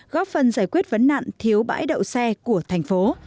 góp phần giải quyết vấn nạn thiếu bãi đậu xe của thành phố